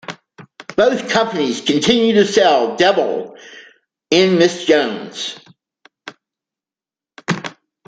Both companies continue to sell "Devil in Miss Jones".